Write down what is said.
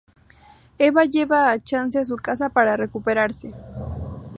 Eva lleva a Chance a su casa para recuperarse.